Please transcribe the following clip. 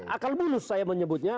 akal bulus saya menyebutnya